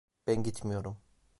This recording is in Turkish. Ben gitmiyorum.